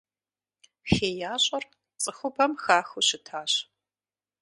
ХеящӀэр цӀыхубэм хахыу щытащ.